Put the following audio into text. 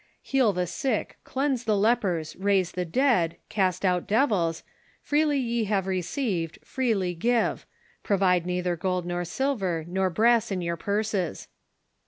'•Heal the sick, cleanse the lepers, raise the dead, cast out devils ; freely ye have received, freely give. Provide neither gold, nor silver, nor brass in your purses."